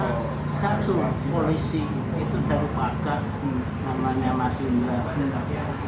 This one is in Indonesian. tapi ada satu polisi itu darul pakar namanya mas limrah